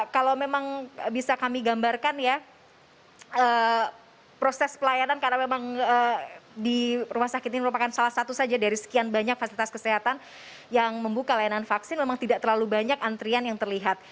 kalau memang bisa kami gambarkan ya proses pelayanan karena memang di rumah sakit ini merupakan salah satu saja dari sekian banyak fasilitas kesehatan yang membuka layanan vaksin memang tidak terlalu banyak antrian yang terlihat